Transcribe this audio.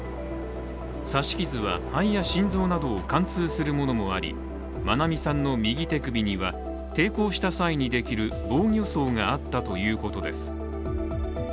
刺し傷は肺や心臓などを貫通するものもあり愛美さんの右手首には、抵抗した際にできる防御創があったということです。